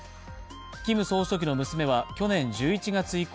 キム総書記の娘は去年１１月以降、